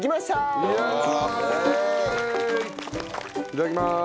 いただきます。